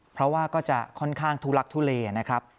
เพราะว่าก็จะค่อนข้างทุลักทุเลนะครับ